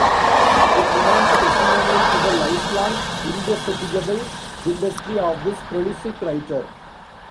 It remains a testimonial to the lifelong indefatigable industry of this prolific writer.